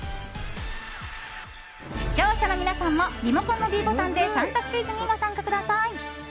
視聴者の皆さんもリモコンのｄボタンで３択クイズにご参加ください。